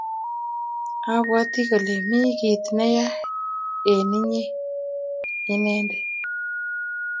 Abwati kole mi kit ne ya eng inye inendet